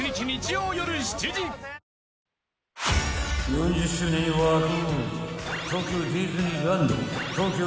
［４０周年に沸く］